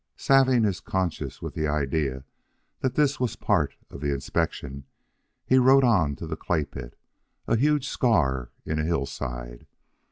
Salving his conscience with the idea that this was part of the inspection, he rode on to the clay pit a huge scar in a hillside.